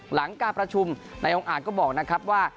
หลังการประชุมนายองค์อาจก็บอกนะครับว่า